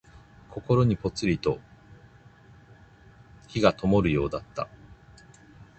心にぽつりと灯がともるようだった。